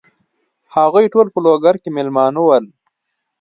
هغوی ټول په لوګر کې مېلمانه ول.